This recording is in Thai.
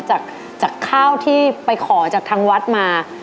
จากข้าวที่ไปขอจากทางวัดมา